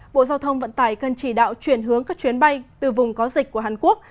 bộ giao thông vận tải cần chỉ đạo chuyển hướng các chuyến bay từ vùng có dịch của hàn quốc